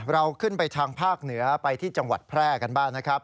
เราขึ้นไปทางภาคเหนือไปที่จังหวัดแพร่กันบ้างนะครับ